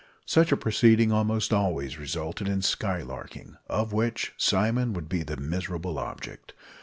Such a proceeding almost always resulted in skylarking, of which Simon would be the miserable object.